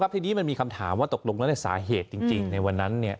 ทีนี้มันมีคำถามว่าตกลงแล้วในสาเหตุจริงในวันนั้น